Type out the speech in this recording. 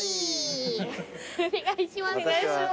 お願いします。